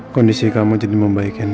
kondisi kamu jadi membaikkan